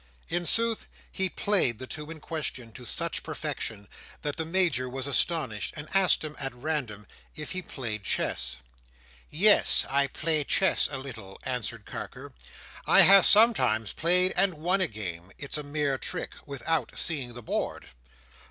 In sooth, he played the two in question, to such perfection, that the Major was astonished, and asked him, at random, if he played chess. "Yes, I play chess a little," answered Carker. "I have sometimes played, and won a game—it's a mere trick—without seeing the board."